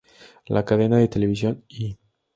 La cadena de televisión "E!